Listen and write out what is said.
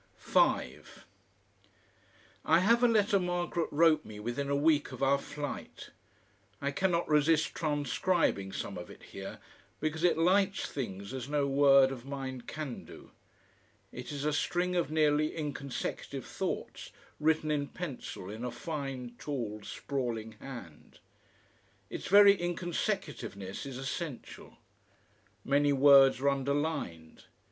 5 I have a letter Margaret wrote me within a week of our flight. I cannot resist transcribing some of it here, because it lights things as no word of mine can do. It is a string of nearly inconsecutive thoughts written in pencil in a fine, tall, sprawling hand. Its very inconsecutiveness is essential. Many words are underlined.